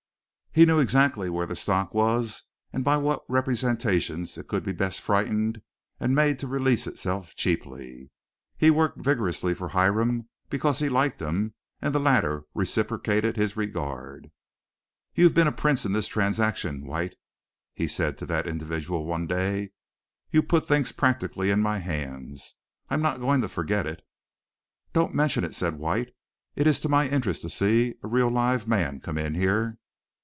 He knew exactly where the stock was and by what representations it could be best frightened and made to release itself cheaply. He worked vigorously for Hiram because he liked him and the latter reciprocated his regard. "You've been a prince in this transaction, White," he said to that individual one day. "You've put things practically in my hands. I'm not going to forget it." "Don't mention it," said White. "It's to my interest to see a real live man come in here."